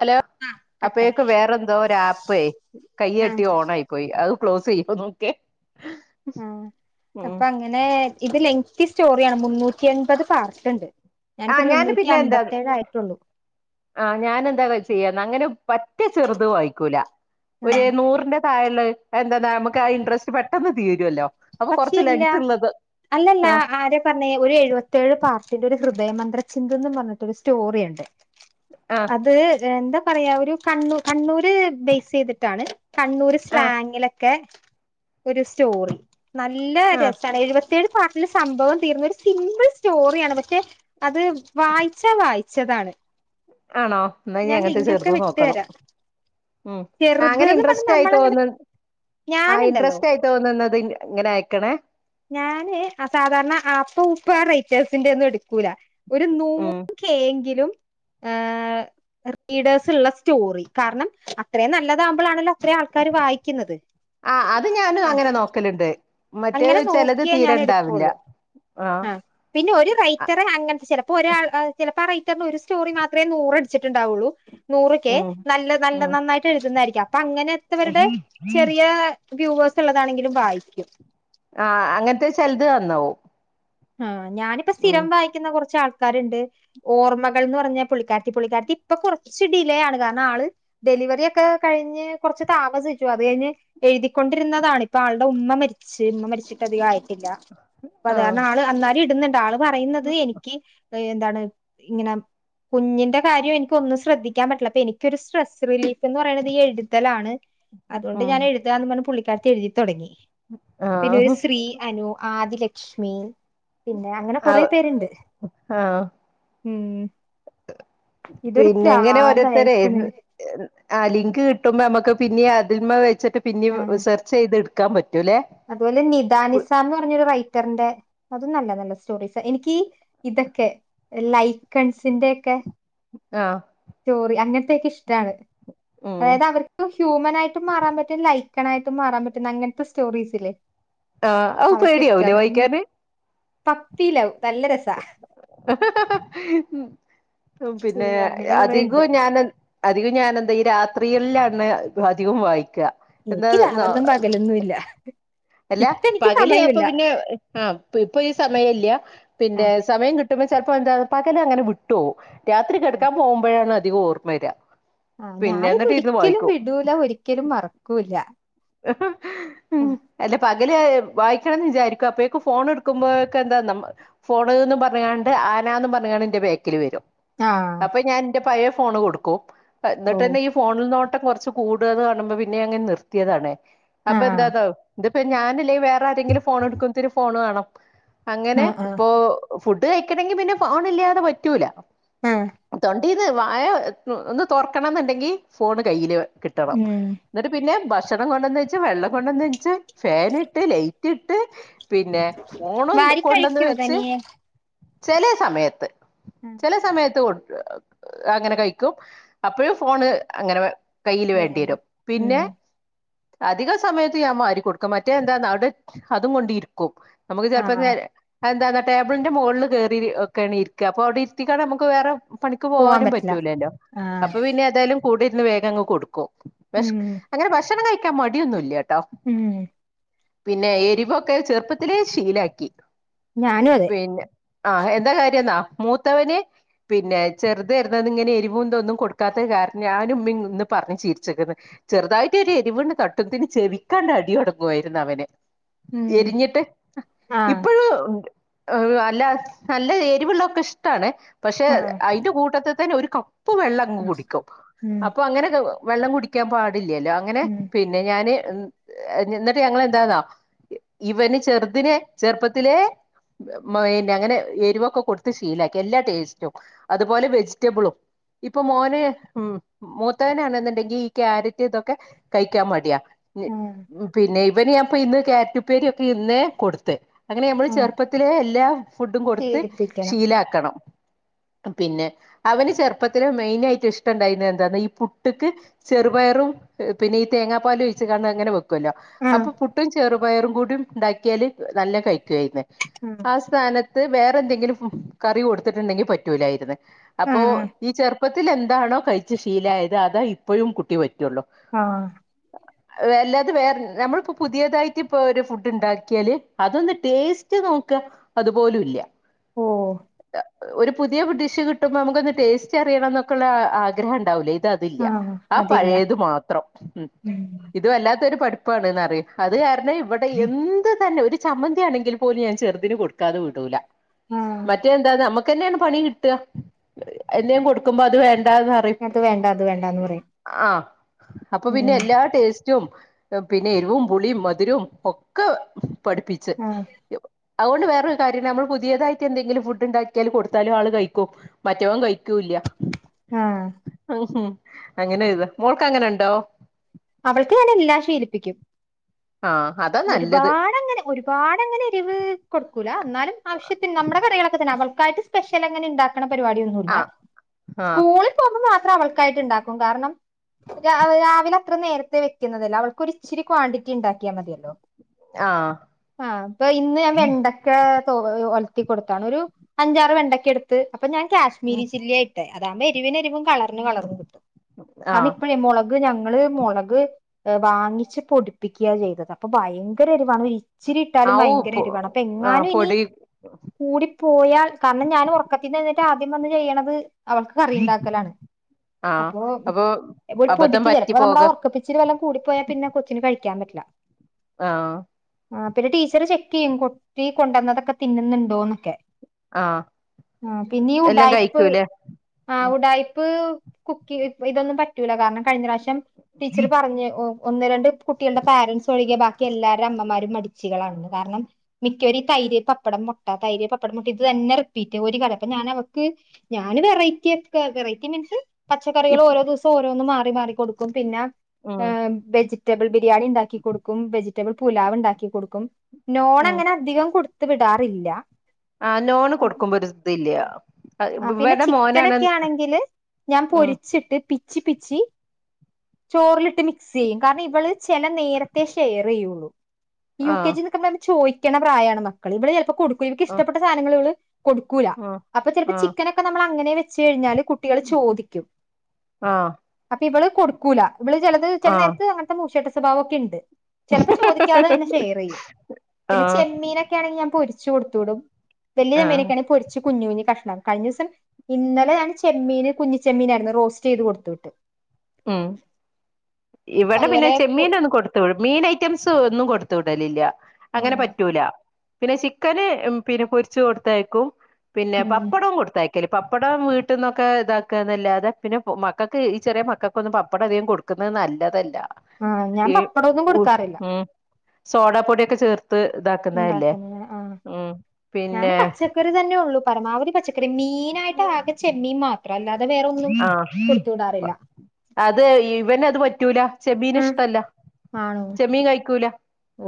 Hello ആഹ് കട്ടായി അപ്പേഴക്ക് വേറെന്തോ ഒരു ആപ്പേ കൈ്യട്ടി ആഹ് ഓണായി പോയി അത് ക്ലോസ് ചെയ്യമ്പോ നോക്കെ ആഹ ഉം അപ്പൊ അങ്ങനെ ഇതിൽ ത്തി സ്റ്റോറിയാണ്. മുന്നൂറ്റി അൻപത് പാർസ് ഉണ്ട്. ആഹ് ഞാന് പിന്നെ എന്താ ആഹ് ഞാനെന്താവാ ചെയ്യന്ന അങ്ങനെ പറ്റേ ചെറുത് വായിക്കൂല. ഒരു ആഹ് നൂറിന്റെ തായള്ള എന്താന്നാ നമുക്ക് ആ ഇൻട്രസ്റ്റ് പെട്ടെന്ന് തീരുമല്ലോ. പക്ഷെ ഇല്ല അല്ലല്ല ആഹ് ആര പറഞ്ഞേ ഒരു എഴുപത്തേഴ് പാർട്ടിന്റ ഒരു ഹൃ ദയമന്ത്ര ചിന്തന്ന് പറഞ്ഞിട്ടൊരു സ്റ്റോറി ഉണ്ട് ആഹ് അത് എന്താ പറയാ ഒരു കണ്ണൂർ കണ്ണൂര് ബേസ് ചെയ്തിട്ടാണ് കണ്ണൂർ ആഹ് സ്ലാങ്ങിലൊക്കെ ഒരു സ്റ്റോറി നല്ല ആഹ് രസണ് എഴുപ തേഴ് പാർട്ടില് സംഭവം തീർന്ന ഒരു സിമ്പിൾ സ്റ്റോറിയാണ്. പക്ഷേ അത് വായിച്ചാ വായി ച്ചതാണ്. ആണോ എന്നനി അങ്ങനത്തെ ചെർത് വിട്ട് നോക്കണം. തരാം ഉം അങ്ങനെ ചെറുത്ന്ന് പറഞ്ഞ് ഇൻട്രസ്റ്റ് ആയി നമ്മളങ്ങനെ തോന്ന ആ ഞാനുണ്ടല്ലോ ഇൻട്രസ്റ്റ് ആയി തോന്നുന്നത് ഇങ്ങനെ അയക്കണേ. ഞാന് അസാധാരണ ആപ്പ ഊപ്പ റൈറ്റേഴ്സിന്റെ ഒന്നും എടുക്കൂല. ഒരു ഉം നൂറ് കെങ്കിലും ആ റീഡേഴ്സ് ഉള്ള സ്റ്റോറി കാരണം അത്രയും നല്ലതാകുമ്പോഴാണല്ലോ അത്ര ആൾക്കാര് വായിക്കുന്നത്. ആഹ് അത് ഞാനും ആ അങ്ങനെ നോക്കലുണ്ട് മറ്റേ അങ്ങനെ ചെലത് നോക്കിയേ തീരെ ഞാൻ ഇണ്ടാവില്ല എടുക്കുള്ളൂ. ആഹ് ആ പിന്നെ ഒരു അ റൈറ്ററെ അങ്ങനത്തെ ചിലപ്പോ ഒരാൾ ആ ചെല ഇപ്പ റൈറ്ററിനു ഒരു സ്റ്റോറി മാത്രേ നൂറടിച്ചിട്ടുണ്ടാവുള്ളൂ. നൂറ് കെ ഉം നല്ല നല്ല ഉം നന്നായിട്ട് എഴുതുന്നതായിരിക്കും. അപ്പൊ ഉം അങ്ങനെത്തവരുടെ ചെറിയ വ്യൂവേഴ്സ് ഒള്ളതാണെങ്കിലും വായിക്കും. ആ അങ്ങനത്തെ ചിലത് നന്നാവും. ആഹ് ഞാനിപ്പ ഉം സ്ഥിരം വായിക്കുന്ന കുറച്ചാൾ ക്കാരുണ്ട് ഓർമ്മകൾ എന്ന് പറഞ്ഞ പുള്ളിക്കാരിത്തി പളിക്കാരിത്തി ഇപ്പൊ കുറച്ച് ഡിലേ ആണ്. കാരണം ആള് ടെ ഡെലിവറി ഒക്കെ കഴിഞ്ഞ് കൊറച്ച് താമസിച്ചു അത് കഴിഞ്ഞ് എഴുതിക്കൊണ്ടിരുന്നതാണ് ഇപ്പ ആളുടെ ഉമ്മ മരിച്ച്. ച് ഉമ്മമരിച്ചിട്ടധികആയിട്ടില്ല. ആ അപ്പത് കാര അന്നാരി ഇടുന്നുണ്ട് ആള് പറയുന്നത് എനിക്ക് എന്താണ് ഇങ്ങനെ കുഞ്ഞിന്റെ കാര്യം എനിക്കൊന്നും ശ്രദ്ധിക്കാൻ പറ്റില്ല. അപ്പൊ എനിക്കൊരു സ്ട്രെസ് റിലീഫ് എന്ന് പറയണത് ഈ എഴുതലാണ്. അതുകൊണ്ട് ഞാൻ ഉം എഴുതാന്ന് പറഞ്ഞ് പുള്ളിക്കാരിത്തി എഴുതി തൊടങ്ങി. പിന്നെ ഒരു ആ ശ്രീ അനു ആദി ലക്ഷ്മി പിന്നെ അങ്ങനെ ആ കൊറെ പേര്ണ്ട്. ഉം ഇതൊരു പിന്നെങ്ങനെ ഓരോരുത്തരെ പ്രാന്തായേക്ക്ണ് ആ ലിങ്ക് കിട്ടുമ്പോ നമ്മുക്ക് പിന്നേം അതിൽമ വെച്ചിട്ട് പിന്നേം ആഹ് സെർച്ച് ചെയ്ത് എടുക്കാൻ പറ്റും. അതുപോലെ നിത നിസ എന്ന് പറഞ്ഞൊരു റൈറ്ററിന്റെ അതും നല്ല നല്ല സ്റ്റോറീസ് എനിക്ക് ഇതൊക്കെ ലൈക്കൺസിന്റെയൊക്കെ ആഹ് സ്റ്റോറി അങ്ങനത്തെെയൊക്കെ ഇഷ്ടാണ്. ഉം അതായത് അവർക്കും ഹ്യൂമനായിട്ടും മാറൻ പറ്റും. ലൈക്കണായിട്ടും മാറാൻ പറ്റും അങ്ങനത്തെ സ്റ്റോറീസില്ലേ ആഹ് അത് അതൊക്കെ പേടയാവുലേ ഇഷ്ടാണ് ഉം വായിക്കാന് പപ്പി ലവ് നല്ല രസാ. ഹ ഹ ഹ പിന്നെ അയ്യോ അങ്ങനെ കൊറേണ്ട് അതികോം ഞാൻ അതി ഞാനെന്താ ഈ രാത്രികളിലാണ് അതികോം വായിക്ക. എനിക്ക് എന്താന്നോ രാവന്നും പകലൊന്നുംല്ല. അല്ല പകല് അപ്പൊ പിന്നെ ആഹ് ഇപ്പൊ ഈ സമയ ഇല്ല പിന്നെ ആഹ് സമയം കി കിട്ടുമ്പ ചെപ്പോ എന്താ പകല അങ്ങനെ വിട്ട്പോവും രാത്രി കിടക്കാ പോകുമ്പോഴാണ് അതികം ഓർമ്മ വര. ആ ഞാനിത് ഒരിക്കലും വിടൂല. ഒരിക്കലും മറക്കൂല. ഉം ആഹ് അല്ല പകല് വായിക്കണംന്ന് വിചാരിക്കും. അപ്പഴേക്കും ഫോൺ എടുക്കുമ്പോക്കെ എന്താ ഫോണ്ന്നും പറഞ്ഞ്ങാണ്ട് ആനന്ന് പറഞ്ഞ്കൊണ്ട് ന്റെ ബേക്കില് വരും. ആഹ് അപ്പൊ ഞാൻ എന്റെ പയ ഫോണ് കൊടുക്കും ഓഹ് എന്നിട്ട്ന്നെ ഈ ഫോണിൽ നോ ട്ടം കുറച്ച് കൂടത് കാണുമ്പോ പിന്നെ അങ്ങെ നിർത്തിയതാണെ അപ്പൊ ആഹ് എന്താന്നോ ഇതിപ്പോ ഞാനല്ലേ വേറെ ആരെങ്കിലും ഫോൺ എടുക്കുമത്തിന് ഫോണ് വേണം അങ്ങനെ ആഹ് ആഹ് ഇപ്പൊ ഫുഡ് കഴിക്കണമെങ്കി പിന്നെ ഫോൺ ഇല്ലാതെ പറ്റൂല ആഹ് ത ഇത് വായ ഒന്ന് തൊറക്കണം എന്നുണ്ടെങ്കിൽ ഫോണ് കയ്യിയില് കിട്ടണം ഉം എന്നിട്ട് പിന്നെ ഭക്ഷണം കൊണ്ടന്നച്ച് വെച്ച് വെള്ളം കൊണ്ട ന്നെച്ച് ഫൻ ഇട്ട് ലൈറ്റ് ഇട്ട് പിന്നെ ഫോൺ വാരി കൊണ്ടന്ന് കഴിക്കോ വെച്ച് തനിയെ ചെല സമയത്ത് ആഹ് ചെല സമയത്ത് അങ്ങനെ കഴിക്കും അപ്പഴും ഫോണ് അങ്ങനെ കയ്യിൽ വേണം വേണ്ടിവരും ഉം പിന്നെ അധിക സമയത്ത് ഞാൻ വാരിക്കൊടുക്കും മറ്റേ എന്താ അവിടെ അതും കൊണ്ടിരിക്കും നമുക്ക് ചെലപ്പോ ആഹ് നേ എന്താ ടേബിളിന്റെ മുകളിൽ കേയറി ഒക്കെയാണ് ഇരിക്കുക അപ്പൊ അവിടെ ഇത്തിക്കാെ നമുക്ക് വേറെ പണിക്ക് പോവാൻ പോകാനും പറ്റില്ല പറ്റൂലല്ലോ ആഹ് അപ്പൊ പിന്നെഏതായാലും കൂടെ ഇരുന്ന് വേഗംങ്ങ് കൊടുക്കും ഭഷ ഉം അങ്ങനെ ഭക്ഷണം കഴിക്കാൻ മടിയൊന്നുംല്ലട്ടോ ഉം പിന്നെ എരിവൊക്കെ ചെറുപ്പത്തിലെ ശീലാക്കി ഞാനും അതെ പിന്നെ ആഹ് എന്താ കാര്യം എന്നാ മൂത്തവന് പിന്നെ ചെറുത് വരുന്നത് ഇങ്ങനെ എരിവും ഒന്നും കൊടുക്കാത്ത ക ഞാനും ഉമ്മയുംന്ന് പറഞ്ഞ് ചീരിച്ചിക്കുന്നത് ചെറുതായിട്ട് ഒരു എരിവണ് തട്ടുമ്പോത്തിന് ചെവിക്കാണ്ട ടി തൊടങ്ങു യിരുന്നു അവന് ഉം എരിഞ്ഞിട്ട് ആഹ് ഇപ്പോഴും ഉണ്ട് അല്ല നല്ല എരിവെള്ളൊക്കെ ഇഷ്ടാണ് പക്ഷെ ആഹ് അതിന്റെ കൂട്ടത്തി തന്നെ ഒരുക്കം കപ്പ് വെള്ളം അങ് കുടിക്കും ഉം അപ്പൊ അങ്ങനെ വെള്ളം കുടിക്കാൻ പാടില്ലല്ലോ അങ്ങനെ ഉം പിന്നെ ഞാാന് എന്നിട്ട് ഞങ്ങെന്താന്നാ ഇവന് ചെറുതിനെ ചെറുപ്പത്തിലെ പിന്നെ അങ്ങനെ എരിവൊക്കെ കൊടുത്ത് ശീലക്കി എല്ലാ ടേസ്റ്റും അതുപോലെ വെജിറ്റബിളും ഇപ്പൊ മോന് ഉ മൂത്തവനാണെന്നുണ്ടെങ്കിൽ ഈ ക്യാരറ്റ് ഇതൊക്കെ കഴിക്കാൻ മടിയാ ആഹ് പിന്നെ ഇവന് ഞാൻപ്പ ഇന്ന് കാരറ്റ് പേരി ഒക്കെ ഇന്ന് കൊടുത്ത അങ്ങനെ നമ്മള് ആഹ് ചെറുപ്പത്തിലെ എല്ലാ ഫുഡും കൊടുത്ത് ശീലിപ്പിക്കണം ശീലാക്കണം പിന്നെ അവന് ചെറുപ്പത്തി മെയിനാ യിട്ട് ഇഷ്ടുണ്ടായിുന്ന എന്താന്ന ഈ പുട്ട്ക്ക് ചെറുപയറും പിന്നെഈ തേങ്ങാ പാൽ ഒഴിച്ച് കാണ അങ്ങനെ വെക്കുമല്ലോ ആഹ് അപ്പൊ പുട്ടും ചെറുപയറും കൂടും ഉണ്ടാക്കിയാല് നല്ല കഴിക്കുവായിന്നെ ആഹ് ആ സ്ഥാനത്ത് ത്ത് വേറെന്തെങ്കിലും കറി കൊടുത്തിട്ടുണ്ടെങ്കിൽ പറ്റൂലായിരുന്നു അപ്പോ ആഹ് ഈ ചെ റുപ്പത്തിൽ എന്താണോ കഴിച്ച് ശീലായത് അതാ ഇപ്പഴും കുട്ടി പറ്റുള്ളൂ ആഹ് അല്ലാതെ വേറെ നമ്മളിപ്പോൊ പുതിയതായിട്ട് ഇപ്പൊ ഒരു ഫുഡ് ഉണ്ടാക്കിയാല് അതൊന്ന് ടേസ്റ്റ് നോക്ക അത്പോലും ഇല്ല ഓഹ് അ ഒരു പുതിയ ഡിഷ് കിട്ടുമ്പോൾ നമുക്കൊന്ന് ടേസ്റ്റ് അറിയണം എന്നൊക്കുള്ളള്ള ആഗ്രഹം ഉണ്ടാവൂില്ലേ ഇത് അതില്ല ആഹ് ആ അതില്ല പഴയത് മാത്രം ഉ ഉം ഇത് വല്ലാത്തരു പഠിപ്പ ഇപ്പാണ്ന്ന് അറിയ അത് കാരണം ഇവിടെ എന്ത് തന്നെ ഒരു ചമ്മന്തിയാണെങ്കിൽ പോലും ഞാൻ ചെറുതിന് കൊടുക്കാതെ വിടൂല ആഹ് മറ്റേ എന്താ നമ്മുക്ക്ന്നെയാണ് പണി കിട്ടുക എന്നേും കൊടുക്കുമ്പോ അത് വേണ്ട വേണ്ടാന്ന് പറയും അത് വേണ്ട അത് വേണ്ടാന്ന് പറയും ആ അപ്പൊ പിന്നെ ഉം എല്ലാ ടേസ്റ്റും റ്റും പിന്നെ എരിവും പുളിയും മധുരവും ഒക്കെ പഠിപ്പിച്ച് ആഹ് അതുകൊണ്ട് വേറൊരു കാര്യം നമ്മൾ പുതിയതായിട്ട് എന്തെങ്കിലും ഫുഡ് ഉണ്ടാക്കിയാൽ കൊടുത്താലും ആൾ കഴിക്കും മറ്റവൻ കഴിക്കൂല്ല ഇല്ല ആഹ് ഉം അങ്ങനെ ഇത് മോൾക്ക് അങ്ങനെ ഉണ്ടോ അവൾക്ക് ഞാൻ എല്ലാ ശീലപ്പിക്കും ആഹ് അതാ നല്ലത് ഒരുപാട് അങ്ങനെ ഒരുപാട് അങ്ങനെ എരിവ് കൊടുക്കൂല എന്നാലും ആവശ്യത്തിന് നമ്മുടെ കറികളൊക്കെ തന്നെ അവൾ സ്പെഷ്യൽ അങ്ങനെ ഉണ്ടാക്കണ പരിപാടിയൊന്നുമല്ല ആഹ് ആഹ് സ്കൂളിൽ പോകുമ്പോ അത്ര അവൾക്കായിട്ട് ഉണ്ടാക്കും കാരണം രാവിലെ അത്ര നേരത്തെ വെക്കുന്നതല്ലോ അവൾക്കൊരിച്ചിരി ക്വാണ്ടിറ്റി ഉണ്ടാക്കിയാൽ മതിയല്ലോ ആഹ് ആഹ് അപ്പൊ ഇന്ന് ഞാൻ വെണ്ടക്ക ഒൽത്തികൊടുത്താണ് ഒരു അഞ്ചാറ് വെണ്ടക്കടുത്ത് അപ്പൊഞാൻ കാശ്മീരിചില്ലിയിട്ടെ അതാവുമ്പോ എരിവിനെരിവും കളറിന്കളറുംകിട്ടും ആഹ് കാരണംഇപ്പോഴേ മുളക് ഞങ്ങള് മുളക് വാങ്ങിച്ച് പൊടിപ്പിക്ക്യ ചെയ്തത് അപ്പൊഭയങ്കരരിവാ ഇച്ചിരിട്ടാലും ആവൂ പോ ഭയങ്കരഎരുവാണ് ആഹ് അപ്പൊഎങ്ങാനും ഇനി പൊടി കൂടിപോയാൽ കാരണം ഞാനൊർറക്കത്ത്ന്ന്ന്നെഴുന്നെറ്റ ആദ്യംവന്ന് ചെയ്യണത് അവൾക്ക് കറിയിണ്ടാക്കലാണ്. അപ്പൊ അബദ്ധം പൊടിക്ക് പറ്റി പോക ചിലപ്പോനമ്മുടെ ഉറക്കപ്പിച്ചിരിവെല്ലോം കൂടിപ്പോയാപിന്നെ കൊച്ചന്കഴിക്ക ക്കാൻപറ്റില്ല ആഹ് ആഹ് പിന്നെടീച്ചർ ചെക്ക്യ്യും കുട്ടി കൊണ്ടുവന്നതൊക്കെ തിന്നുന്നുണ്ടോന്നൊക്കെ. ആഹ് ആഹ് പിന്നെ എല്ലാം ഉടായ്പ്പ് കഴിക്കൂലേ ആ ഉം ഉടായ്പ്പ് കുക്കിയും ഇതൊന്നുംപറ്റൂല കാരണംകഴിഞ്ഞവ്രശ്യം ടീച്ചർ പറഞ്ഞ് ഒന്ന് രണ്ട്കുട്ടികളുടെ പാരൻസ് ഒഴികെ ബാക്കിഎല്ലാരെ അമ്മമാരും മടിച്ചികളാണ്കാരണം മിക്കവരും ഈ തൈര്, പപ്പടം, മുട്ട, തൈര് പപ്പടം [unintelligible] തന്നെ റിപ്പീറ്റ് ഒരു അപ്പഞാവാക്ക് ഞാന് വെറൈറ്റി [unintelligible] വെറൈറ്റിമീൻസ് ഇപ് പച്ചക്കറികളോരോ ദിവസം ഓരോന്നും മാറിമാറി കൊടുക്കുംപിന്നെ ഉം ഹെ വെജിറ്റബിൾ ബി രിയാണിണ്ടാക്കി കൊടുക്കും ബിരിയാണി ണ്ടാക്കി കൊടുക്കും വെജിറ്റബിൾ പുലാവ്ഉണ്ടാക്കി കൊടുക്കും ഉം നോൺങ്ങനെ അധികം കൊടു ത്ത് വിടാറില്ല ആഹ നോണ്കൊടുക്കുമ്പോരു ഇതില്ല്യ ആഹ് പിന്നെ ചിക്കനൊക്കെആണങ്കില് ഉം ഞാൻപൊരിച്ചിട്ട് പി പിച്ചിപിച്ചി ചോറി മിക്സ്സെയ്യും കാരണം ഇവള് ചിലനേരത്തെേ ഷെയെറെയ്യു യു കെ ആഹ് ജി നിക്കുമ്പോമ്മക്ക് ചോയ് [unintelligible] പ്രായാണ് മക്കള് ഇവള് ചിലപ്പോകൊടുക്കും ൻക്ക് ആഹ് ഇഷ്ടപ്പെട്ട സാനങ്ങള് വള്കൊടുക്കൂല അപ്പൊചൽ ആഹ് ചിക്കനൊക്കെമ്മളാങ്ങനെ വെച്ച്ഴിഞ്ഞാല് കുട്ടികള് ചോദിക്കും ആഹ് ആഹ് അപ്പിവള് കൊടുക്കൂല ഇവിള്ചെലത് ആഹ് ചെലെനേരത്ത് അങ്ങൻത്തെ മൂഷയട്ടസ്വഭാവംക്കെണ്ട് ചിലപ്പോ ചോദിക്കാതെന്നെ ഷെയറെയും പിന്നെ ആഹ് ചെമ്മീനൊക്കെണെങ്കിൽ ഞാൻ പൊരിച്ചുകൊടുത്തൂടും വലിയ ആഹ് ചെമ്മീനൊക്കെണെ പൊരിച്ച് കുഞ്ഞ്കുഞ്ഞ് കഷ്ണ കഴിഞ്ഞുസം ഇന്നലെഞാൻ ചെമ്മീന് കുഞ്ഞിച്ചെമ്മീനായിരുന്നു റോസ്റ്റ്യ്ത് കൊടുത്ത് വിട്ട ഉം ഇവിടെപിന്നെ അതുപോലെ കു ചെമ്മീനെന്നുംകൊടുത്ത് വി മീൻഐറ്റംസ്ന്നും കൊടുത്ത ത്തുടലില്ല അങ്ങനെപറ്റൂല പിന്നെ ചിക്കന്പിന്നെ പൊരിച്ചു കൊടുത്തയക്കും പിന്നെ ഉം പപ്പടവും കൊടുത്തയക്കല് പപ്പടം വീട്ടന്നൊക്കെ ഇതാക്കാന്നല്ലാതെ പിന്നെ മക്കക്ക് ഈ ചെറിയമക്കക്ക് [unintelligible] പപ്പടം അധികം കൊടുക്കുന്നത് നല്ലതല്ല ആഹ് ഞാൻ ഈ പപ്പടൊന്നും ഉ കൊടുക്കാറില്ല ഉം സോഡാപൊടിയൊക്കെചേർത്ത് ത്ത് ഇതാക്കുന്നല്ലേ ഉണ്ടാക്കുന്ന ആഹ് ഉം പിന്നെ പരമാവധിപച്ചക്കറി മീനായിട്ട് ആകെ ചെമ്മീൻമാ ആഹ് അത് ഇവനത്പറ്റൂല ഉം ചെമ്മീനിഷ്ടല്ല ആണോ ചെമ്മീൻകഴിക്കൂല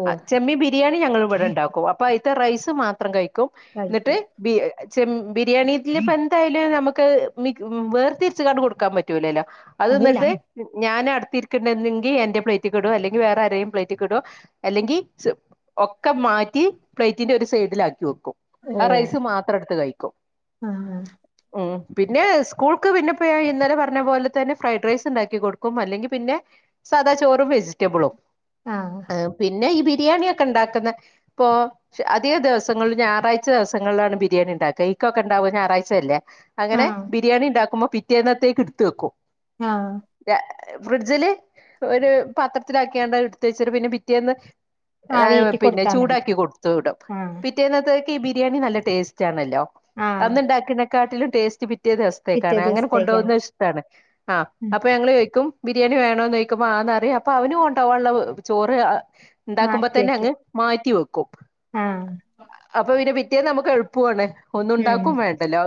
ഓ ചെമ്മീബിരിയാണി ഞളിവിടെണ്ടാക്കും അപ്പോയ്ത്തെ റൈസ്മാത്രംകഴിക്കും ന്നിട്ട് കഴിക്കും ബി ചെമ് ബിരിയാണിത്തില് പ്പെന്തായാലും നമുക്കാഹ്‌ വേർതിരിച്ച്കാണ്ട് കൊടുക്കാൻപറ്റൂലല്ലോ. അത് അതില്ല നട്ട് ഞാനാടുത്തിരിക്കരുങ്കിൽ എന്റെ പ്ലേറ്റ്കിടും അല്ലെങ്കിവേറെആരെയിം പ്ലേറ്റ്കിടും ഒക്കെ മാറ്റി പ്ലേറ്റിന്റൊരുസൈഡിലക്കിവെക്കും ആ റൈസ് മാത്രെടുത്ത്കഴിക്കും ആഹാ ഉം പിന്നെ സ്കൂൾക്ക് പിന്നെപ്പെ ഇന്നലെപറഞ്ഞ പോലെതന്നെ ഫ്രൈഡ്റൈസ്ണ്ടാക്കി കൊടുക്കും അല്ലെങ്കിൽപിന്നെ സാധാചോറും വെജിറ്റബ്ലും ആഹ് ഹെ പിന്നെ ബിരിയാണിയോക്കെണ്ടാക്കുന്ന ഇപ്പോ അധികാദിവസങ്ങളിളും ഞായറാഴ്ച ദിവസങ്ങളിലാണ്ബിരിയാണിണ്ടാക്കഈ [unintelligible] ണ്ടാവും ഞായറഴ്ചയല്ലേ അങ്ങനെ ആഹ് ബിരിയാണിണ്ടാക്കുമ്പോ പിറ്റേന്നെത്തേക്ക്ടുത്ത് വെക്കും ആഹ് ഫ്രിഡ്ജില് ഒരു പാത്രത്തിലാക്കിയ ണ്ട് എടുത്ത് വച്ചൊരു പിന്നെ പിറ്റേന്ന് ആവിയേറ്റി [unintelligible] പിന്നെ കൊടുത്താ മതി ചൂടാക്കി കൊടുത്തു വിടും ആഹ് പിറ്റേന്നത്തേക്ക് ഈ ബിരിയാണി നല്ല ടേസ്റ്റാണല്ലോ ആഹ് അന്നിണ്ടാക്ക്‌നെക്കാട്ടിലും ടേസ്റ്റ് പി പിറ്റേ പിറ്റേ ദിവസത്തേക്കാണ് അങ്ങനെ കൊണ്ടു ദിവസത്തേക്കാണ് പോവുന്നത് ഇഷ്ടാണ് ആ ഉം അപ്പൊ ഞങ്ങള് ചോയിക്കും ബിരിയാണി വേണോ നെയ്ക്കപ്പോ ആന്നറിയാം അപ്പൊ അവനും കൊണ്ടോവോള്ളവ് ചോറ് ഉണ്ടാക്കുമ്പോ മാറ്റി തന്നെ വെക്കും അങ്ങ് മാറ്റി വെക്കും ആഹ് അപ്പൊ പിന്നെ പ്രത്യ നമുക്ക് എളുപ്പാണ് ഒന്നും ഉം ഉണ്ടാക്കും വേണ്ടല്ലോ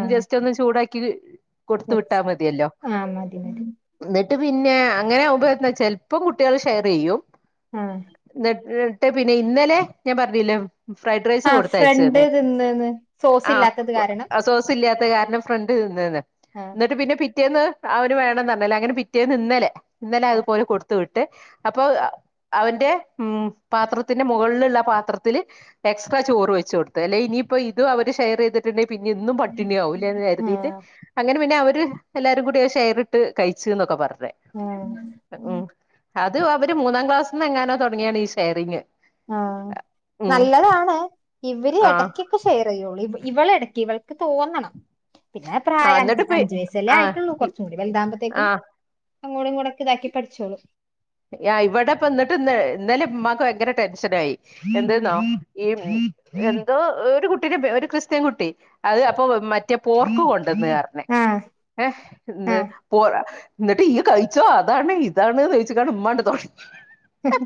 ആഹ് ജസ്റ്റ് ഒന്ന് ചൂടാക്കിത് കൊടുത്തു വെച്ച് വിട്ടാ മതിയല്ലോ ആഹ് മതി മതി ട്ട് പിന്നെ അങ്ങനെ ആകുമ്പോ എന്നാ ചെലപ്പം കുട്ടികള് ഷെയറെയ്യും ആഹ് ട്ടെ പിന്നെ ഇന്നലെ ഞാൻ പറഞ്ഞില്ലോ ഫ്രൈഡ് റൈസ് ആഹ് ഫ്രണ്ട് കൊടുത്തയച്ചന്നെ തിന്ന്ന്ന് സോസ് ആ ഇല്ലാത്തത് കാരണം സോസ് ഇല്ലാത ണ്ട് കാരണം ഫ്രണ്ട് തിന്ന്ന്ന് ആഹ് എന്നിട്ട് പിന്നെ പിറ്റേന്ന് അവന് വേണംന്ന് പറഞ്ഞല്ലേ അങ്ങനെ പിറ്റേന്ന് ഇന്നലെ ഇന്നലെ ആഹ് അതുപലെ കൊടു ത്തുവിട്ട് ട്ട് അപ്പോ അവന്റെ ഉം പാത്രത്തിന്റെ മുകളിലുള്ള പാത്രത്തില് എക്സ് പ്പാചോറ് വെച്ച് കൊടുത്തേല്ലേ ഇനിയിപ്പോ ഇത് അവര് ഷെയർ ചെയ്ട്ടുണ്ടെല് പിന്നെ ഇന്നും പട്ടിണിയാവൂലെന്ന് കരുതിയിട്ട് ആഹ് അങ്ങനെ പിന്നെ അവർ ത്ത് എല്ലാരും കൂടി ഷെയറിട്ട് കഴിച്ചിന്നൊക്കെ പറഞ്ഞു ങേ അത് അവര് മൂന്നാം ക്ലാസ്സിന്ന് എങ്ങാനോ തുടങ്ങിയാണ് ഈ ഷെയറിംഗ് ആ നല്ലതാണ് ഇവര് ആഹ് എടക്ക്ക്കെ ഷെയർ ചെയ്യുള്ളൂ ഇവളിടക്ക് ഇവൾക്ക് തോന്നണം പിന്നെ ആഹ് പ്രായം എന്നിട്ട് അഞ്ച് ഇപ്പ അഞ്ചു വയസല്ലേ ആഹ് ആയിട്ടുള്ളൂ കുറച്ചും കൂടി വല്താമ്പോത്തേക്കും ആഹ് അങ്ങോടിങ്ങോടും കൂടക്കെ ഇതാക്കി പഠിച്ചോളൂ യാ ഇവിടെപ്പന്നിട്ട് ഇന്നേ ഇന്നലെ ഉമ്മാക്ക് ഭയങ്കര ടെൻഷനായി ഉം എന്തീന്നോ ഈ എന്തോ ഒരു കുട്ടിരെ പേ ഒരു ക്രിസ്ത്യൻ കുട്ടി അത് അപ്പൊ മറ്റേ പോർക്കുകൊണ്ട് ട്ട്ന്ന് പറഞ്ഞ് ആഹ് ഏ എന്ത് ആഹ് പോ എന്നിട്ട് ഈയ് കഴിച്ചോ അതാണ് ഇതാണ് ചോയിച്ചിക്കാണ് ഉമ്മാണ്ട് തോളി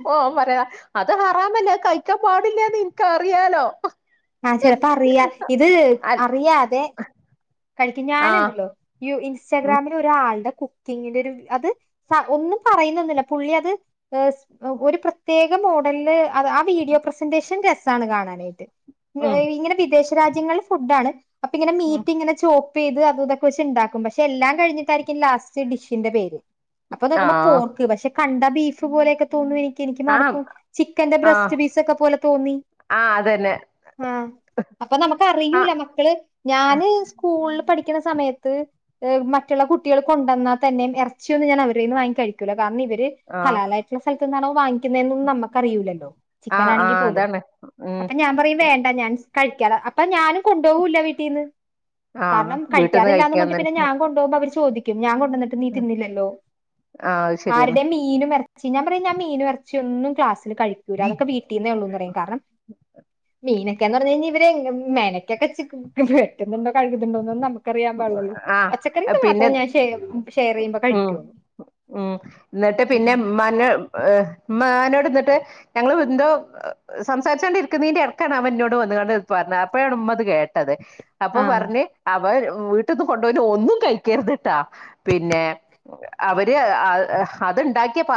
പോ ഓൻ പറയാ അത് ഹറാമല്ലേ അത് കഴിക്കാൻ പാടില്ലാന്ന് എൻക്കറിയാലോ ആഹ് ചെലപ്പോ അറിയ ഇത് അൽ അറിയാതെ കഴിക്കും ആഹ് ഞാനുണ്ടല്ലോ യൂ ഉം ഇൻസ്റ്റഗ്രാമില് ഒരു ആ ആൾട കുക്കിംഗിന്റെ ഒര് അത് സ ഒന്നും പറയുന്നെന്നുന്നില്ല പുള്ളി അത് ഏസ് ഒരു പ്രതേ പ്രത്യേക മോഡലില് ആ വീഡിയോ പ്രസന്റേഷൻ രസാണ് കാണാനായിട്ട് ഉം ഇങ്ങനെ വിദേശ രാജ്യങ്ങളിൽ ഫുഡാണ് അപ്പൊ ഇങ്ങനെ മീ ഉം ചോപ്പെയ്ത് അത് ഇതൊക്കെ വെച്ച്ണ്ടാക്കും പക്ഷെ എല്ലാം കഴിഞ്ഞിട്ടായിരിക്കും ലാസ്റ്റ് ഡിഷിന്റെ പേര് അപ്പൊ നോക്കുമ്പോ ആഹ് പോർക്ക് പക്ഷെ കണ്ടാ ബീഫ് പോലെയൊക്കെ തോന്നുയേനി എനിക്ക് ആഹ് മാറിപ്പോവും ചിക്കന്റെ ആഹ് ബ്രസ്റ്റ് പീസ് ഒക്കെ പോലെ തോന്നി ആഹ് അതന്നെ ആഹ് അപ്പൊ നമുക്ക് അറിയൂല ആഹ് മക്കള് ഞാന് സ്കൂളിൽ പഠിക്കുന്ന സമയത്ത് വ് മറ്റുള്ള കുട്ടികള് കൊണ്ടുവന്നാ തന്നെ എറച്ചിയൊന്നും ഞാൻ അവരേന്ന് വാങ്ങി കഴിക്കൂല കാരണം ഇവര് ആഹ് ഹലാലായിട്ടുള്ള സ്ഥലത്ത് നിന്നാണോ വാങ്ങി ക്ക്നെന്നും നമ്മക്ക് അറിയൂലല്ലോ ചിക്കൻ ആഹ് ആണെങ്കിൽ ആഹ് പോലും അതാണ് ഉം അപ്പൊ ഞാൻ പറയും വേ ണ്ടാ ഞാൻസ് കഴിക്കാതെ അപ്പ ഞാനും കൊണ്ടുപോവൂല്ല വീട്ടീന്ന് ആ കാരണം കഴിക്കാറില്ലാന്ന് പണഞ്ഞിട്ട് പിന്നെ ഞാൻ കൊണ്ടോവുമ്പോ അവര് ചോദിക്കും ഞാൻ കൊണ്ടുവന്നിട്ട് നീ തിന്നില്ലല്ലോ ആഹ് അത് ശരിയാണ് ആരുടെം മീനും എറച്ചീം ഞാൻ പറയും ഞാൻ മീന ഇറച്ച ഒന്നും ക്ലാസ് ത്തില് കഴികൂല അതൊക്കെ വീട്ടിന്നെ ഉള്ളൂന്ന് പറയും കാരണം മീന് ക്കാന്നു പറഞ്ഞഴിഞ്ഞാ ഇവര് മേലക്കൊക്കെ ചിക്ക് പെരട്ടുന്നുണ്ടോ കഴുകുന്നുണ്ടോ നമു ക്കറിയാൻ പാടിലല്ലോ ആഹ് പച്ചക്കറീന്ന് പിന്നെ മാത്രം ഞാൻ ഷെം ഷെയർ ചെയ്യുമ്പോ ഉം കഴിക്കുള്ളൂ ഉം എന്നിട്ട് പിന്നെമ്മാന മ്മനോട് ഇന്നിട്ട് ഞങ്ങള് എന്തോ സംസാരിച്ചുകോണ്ട്ഇരിക്കുന്നതിന്റെ ഇടക്കാണ് അവനെന്നോട് വന്നാണ്ട് പറ അപ്പഴാണ് ഉമ്മത് കേട്ടത് അപ്പൊ ആ പറഞ്ഞ് അവ വീട്ടിൽന്ന് കൊണ്ടുപോന ഒന്നും കഴിക്കർതിട്ടാ പിന്നെ അവര് ഇതു ഉണ്ടാക്കിയ പത്രം